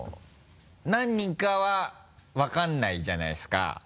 何人かは分からないじゃないですか。